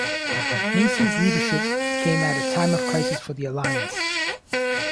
Neeson's leadership came at a time of crisis for the Alliance.